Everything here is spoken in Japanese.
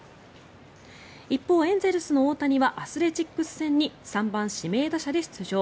一方、エンゼルスの大谷はアスレチックス戦に３番指名打者で出場。